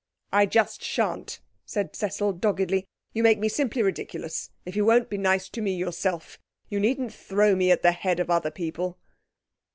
'I just shan't!' said Cecil doggedly. 'You make me simply ridiculous. If you won't be nice to me yourself, you needn't throw me at the head of other people.'